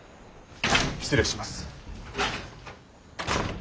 失礼します。